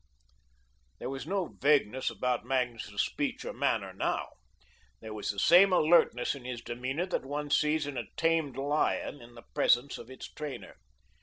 There was no vagueness about Magnus's speech or manner now. There was that same alertness in his demeanour that one sees in a tamed lion in the presence of its trainer.